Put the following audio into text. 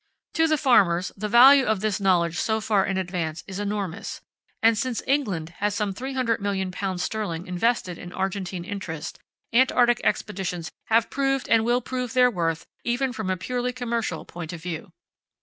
To the farmers, the value of this knowledge so far in advance is enormous, and since England has some three hundred million pounds sterling invested in Argentine interests, Antarctic Expeditions have proved, and will prove, their worth even from a purely commercial point of view.